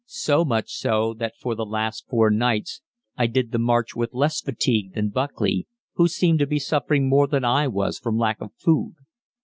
So much so that for the last four nights I did the march with less fatigue than Buckley, who seemed to be suffering more than I was from lack of food.